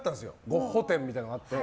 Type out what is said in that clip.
ゴッホ展みたいなのがあって。